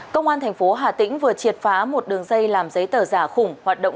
công an tp hà tĩnh vừa triệt phá một đường dây làm giấy tờ giả khủng hoạt động